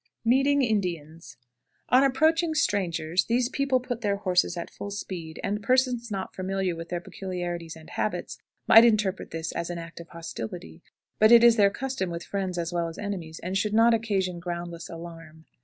MEETING INDIANS. On approaching strangers these people put their horses at full speed, and persons not familiar with their peculiarities and habits might interpret this as an act of hostility; but it is their custom with friends as well as enemies, and should not occasion groundless alarm.